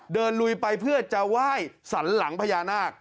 ลุยไปเพื่อจะไหว้สันหลังพญานาค